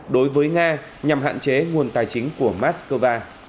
đối với nga nhằm hạn chế nguồn tài chính của moscow